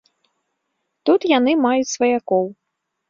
Тут яны маюць сваякоў.